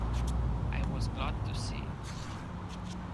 I was glad to see it.